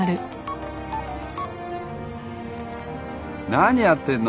何やってんの？